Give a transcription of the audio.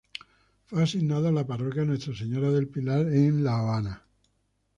Fue asignado a la Parroquia Nuestra Señora del Pilar en La Habana.